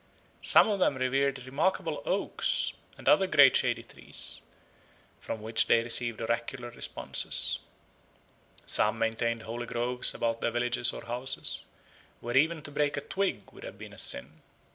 Some of them revered remarkable oaks and other great shady trees, from which they received oracular responses. Some maintained holy groves about their villages or houses, where even to break a twig would have been a sin.